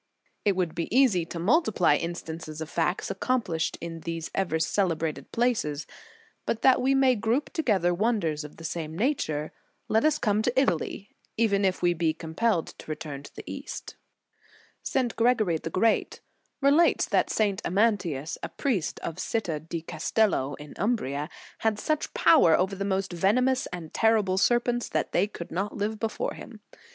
f It would be easy to multiply instances of facts accomplished in those ever celebrated places. But that we may group together wonders of the same nature, let us come to Italy, even if we be compelled to return to the East. * Theodoret, Rcli<;. His c. 2. t Ibid. 3. 184 The Sign of the Cross St. Gregory the Great, relates that St. Amantius, a priest of Citta di Castello, in Umbria, had such power over the most veno mous and terrible serpents that they could not live before him.